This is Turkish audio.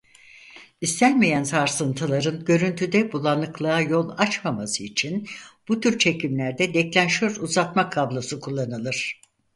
İstenmeyen sarsıntıların görüntüde bulanıklığa yol açmaması için bu tür çekimlerde deklanşör uzatma kablosu kullanılır.